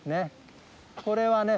これはね